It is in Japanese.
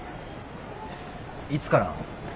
いつから？